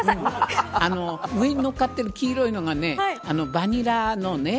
上に乗っかっている黄色いのがバニラのね